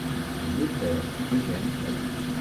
Il est le père d'Eugène Fagot.